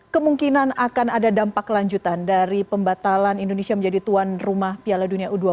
kemungkinan akan ada dampak lanjutan dari pembatalan indonesia menjadi tuan rumah piala dunia u dua puluh